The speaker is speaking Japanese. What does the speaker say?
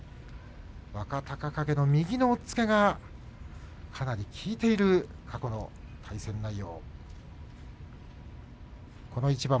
若隆景の右の押っつけがかなり効いている過去の対戦内容。